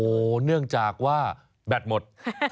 โอ้โหเนื่องจากว่าแบตหมด